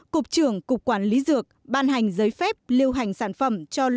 cục trưởng cục quản lý dược ban hành giấy phép liêu hành sản phẩm cho bệnh viện